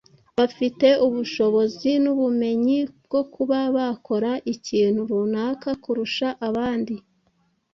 bafite ubushobozi n’ubumenyi bwo kuba bakora ikintu runaka kurusha abandi